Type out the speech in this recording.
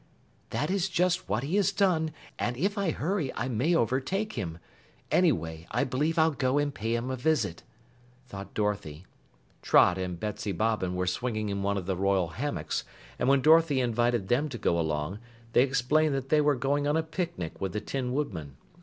"That is just what he has done, and if I hurry, I may overtake him. Anyway, I believe I'll go and pay him a visit," thought Dorothy. Trot and Betsy Bobbin were swinging in one of the royal hammocks, and when Dorothy invited them to go along, they explained that they were going on a picnic with the Tin Woodman.